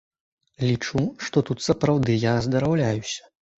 Лічу, што тут сапраўды я аздараўляюся.